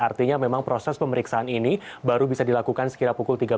artinya memang proses pemeriksaan ini baru bisa dilakukan sekitar pukul sepuluh